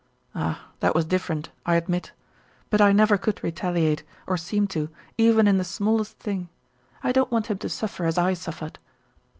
"Ah, that was different, I admit. But I never could retaliate, or seem to, even in the smallest thing. I don't want him to suffer as I suffered."